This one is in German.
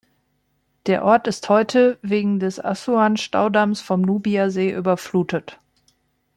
Der Ort ist heute wegen des Assuan-Staudamms vom Nubia-See überflutet.